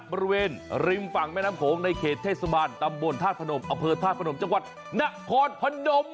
บริเวณริมฝั่งแม่น้ำโขงในเขตเทศบาลตำบลธาตุพนมอำเภอธาตุพนมจังหวัดนครพนม